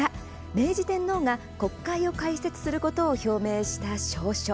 明治天皇が国会を開設することを表明した詔書。